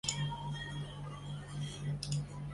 日常点燃和保存神火要经过繁复的仪式。